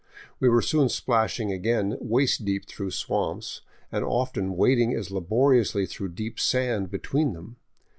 We were soon splashing again waist deep through swamps, and often wading as laboriously through deep sand between them.